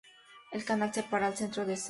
El canal separa el centro de Sault Ste.